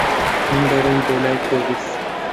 من دەڕۆم بۆ لای پۆلیس.